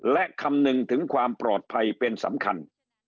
และคำนึงถึงความปลอดภัยเป็นสำคัญ